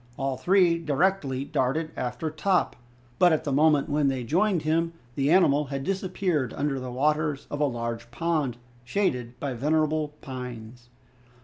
All three directly darted after Top, but at the moment when they joined him the animal had disappeared under the waters of a large pond shaded by venerable pines.